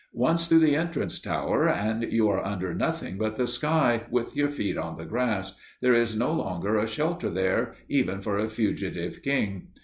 Once through the entrance tower, and you are under nothing but the sky, with your feet on the grass; there is no longer a shelter there, even for a fugitive king.